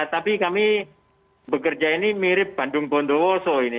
tapi kami bekerja ini mirip bandung bondowoso ini